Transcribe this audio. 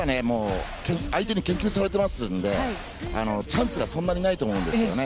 相手に研究されていますのでチャンスがそんなにないと思うんですよね。